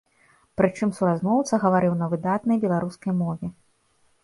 Прычым суразмоўца гаварыў на выдатнай беларускай мове.